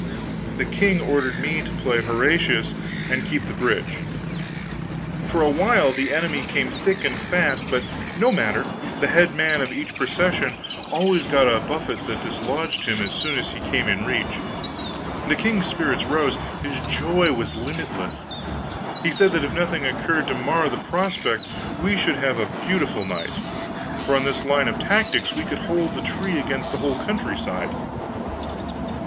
The king ordered me to play Horatius and keep the bridge. For a while the enemy came thick and fast; but no matter, the head man of each procession always got a buffet that dislodged him as soon as he came in reach. The king's spirits rose, his joy was limitless. He said that if nothing occurred to mar the prospect we should have a beautiful night, for on this line of tactics we could hold the tree against the whole country side.